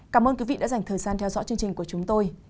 cảm ơn quý vị đã dành thời gian theo dõi chương trình của chúng tôi